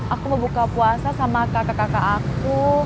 aku mau buka puasa sama kakak kakak aku